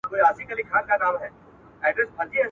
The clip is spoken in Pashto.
که انصاف نه وي د خلافت مقام له منځه ځي.